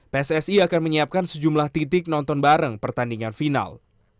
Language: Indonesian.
pssi akan menyiapkan sejumlah titik nonton bareng pertandingan final